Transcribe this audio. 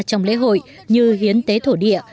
trong lễ hội như hiến tế thổ địa